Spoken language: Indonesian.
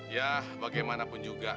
ya bagaimanapun juga